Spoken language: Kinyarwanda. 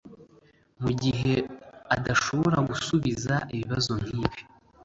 Mu gihe adashobora gusubiza ibibazo nk’ibi